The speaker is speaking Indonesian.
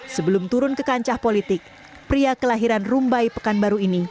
sebelum turun ke kancah politik pria kelahiran rumbai pekanbaru ini